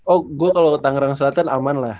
oh gue kalo tangerang selatan aman lah